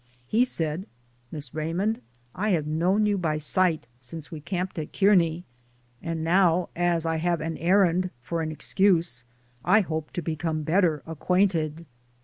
He said, "Miss Raymond, I have known you by sight since we camped at Kearney, and now as I have an errand for an excuse I hope to become better ac quainted."